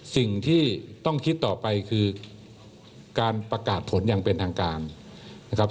สิ่งที่ต้องคิดต่อไปคือการประกาศผลอย่างเป็นทางการนะครับ